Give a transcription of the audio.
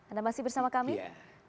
anda masih bersama kami